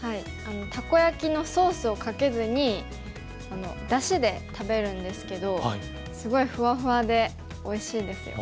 たこ焼きのソースをかけずにだしで食べるんですけどすごいふわふわでおいしいですよ。